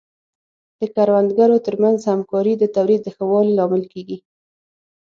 د کروندګرو ترمنځ همکاري د تولید د ښه والي لامل کیږي.